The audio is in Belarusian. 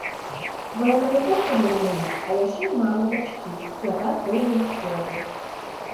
Бо яна не проста журналіст, а яшчэ і мама дачкі, якая пойдзе ў школу.